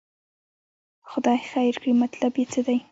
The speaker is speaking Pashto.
خدای خیر کړي، مطلب یې څه دی.